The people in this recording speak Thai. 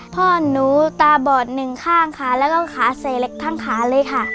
พ่อหนูตาบอดหนึ่งข้างค่ะแล้วก็ขาเสกทั้งขาเลยค่ะ